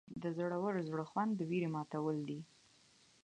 د زړور زړه خوند د ویرې ماتول دي.